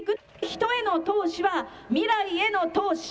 人への投資は、未来への投資。